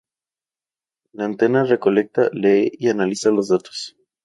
La antena recolecta, lee y analiza los datos.